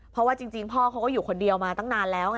เพราะว่าจริงพ่อเขาก็อยู่คนเดียวมาตั้งนานแล้วไง